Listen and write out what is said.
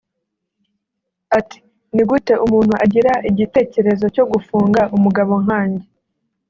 Ati “Ni gute umuntu agira igitekerezo cyo gufunga umugabo nkanjye